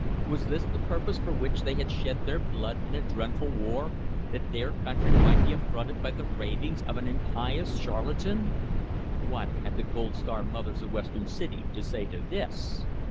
Was this the purpose for which they had shed their blood in a dreadful war that their country might be affronted by the ravings of an impious charlatan? What had the gold star mothers of Western City to say to this?